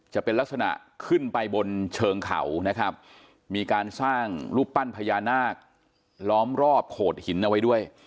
จะเป็นลักษณะขึ้นไปบนเชิงเขานะครับมีการสร้างรูปปั้นพญานาคล้อมรอบโขดหินเอาไว้ด้วย